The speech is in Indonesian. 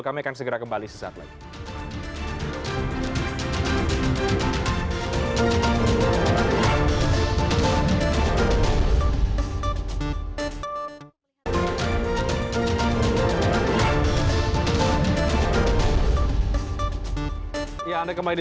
kami akan segera kembali sesaat lagi